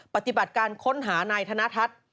ปฏิบัติการค้นหานายธนทัศน์